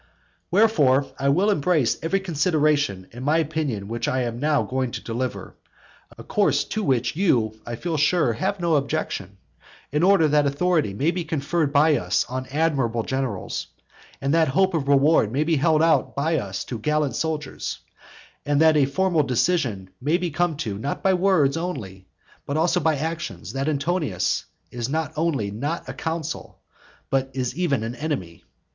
VI. Wherefore, I will embrace every consideration in my opinion which I am now going to deliver, a course to which you, I feel sure, have no objection, in order that authority may be conferred by us on admirable generals, and that hope of reward may be held out by us to gallant soldiers, and that a formal decision may be come to, not by words only, but also by actions, that Antonius is not only not a consul, but is even an enemy.